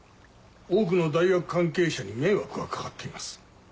多くの大学関係者に迷惑が掛かっています。